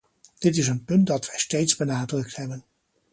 Dit is een punt dat wij steeds benadrukt hebben.